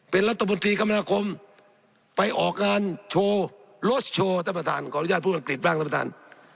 เป็นรัฐบนธรีคมธรรมนาคมไปออกงานโชว์รสโชว์ท่านประธาน